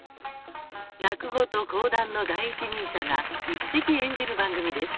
落語と講談の第一人者が一席演じる番組です。